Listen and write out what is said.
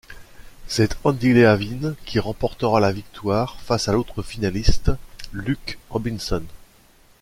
C'est Andy Leavine qui remportera la victoire face à l'autre finaliste, Luke Robinson.